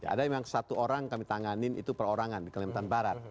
ada yang satu orang kami tanganin itu perorangan di kalimantan barat